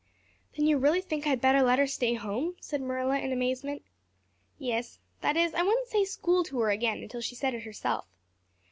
"Then you really think I'd better let her stay home," said Marilla in amazement. "Yes. That is I wouldn't say school to her again until she said it herself.